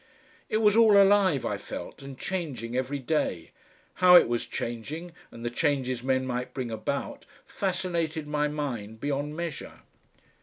It was all alive, I felt, and changing every day; how it was changing, and the changes men might bring about, fascinated my mind beyond measure.